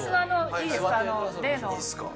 いいですか？